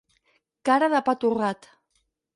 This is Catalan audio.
Cara de pa torrat.